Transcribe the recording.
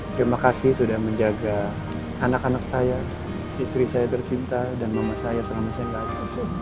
terima kasih sudah menjaga anak anak saya istri saya tercinta dan mama saya selama saya tidak